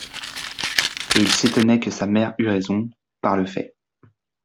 Et il s'étonnait que sa mère eût raison, par le fait.